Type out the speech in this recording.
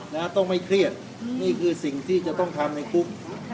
นะต้องไม่เครียดนี่คือสิ่งที่จะต้องทำในคุก